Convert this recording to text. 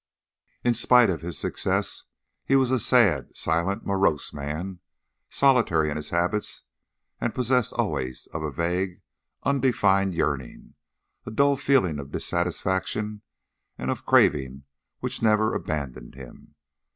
In spite of his success he was a sad, silent, morose man, solitary in his habits, and possessed always of a vague undefined yearning, a dull feeling of dissatisfaction and of craving which never abandoned him.